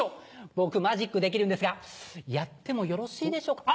僕マジックできるんですがやってもよろしいでしょうかあ！